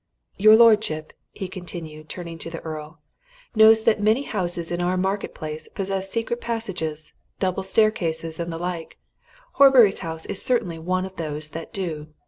Your lordship," he continued, turning to the Earl, "knows that many houses in our Market Place possess secret passages, double staircases, and the like Horbury's house is certainly one of those that do.